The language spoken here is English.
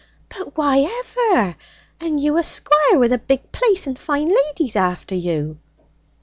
'But why ever? And you a squire with a big place and fine ladies after you!'